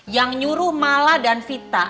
yang nyuruh mala dan vita